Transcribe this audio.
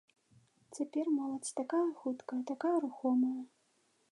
Цяпер моладзь такая хуткая, такая рухомая.